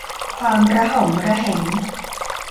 ความระหองระแหง